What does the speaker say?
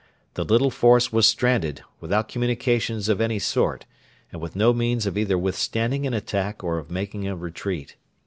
The little force was stranded, without communications of any sort, and with no means of either withstanding an attack or of making a retreat.